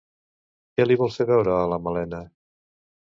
Què li vol fer veure a la Malena?